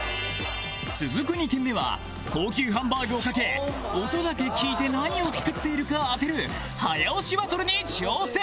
続く２軒目は高級ハンバーグをかけ音だけ聞いて何を作っているか当てる早押しバトルに挑戦